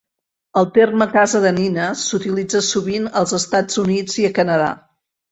El terme "casa de nines" s'utilitza sovint als Estats Units i a Canadà.